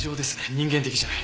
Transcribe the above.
人間的じゃない。